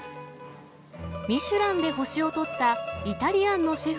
ミシュランで星を取ったイタリアンのシェフ